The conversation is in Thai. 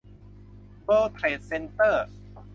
เวิลด์เทรดเซ็นเตอร์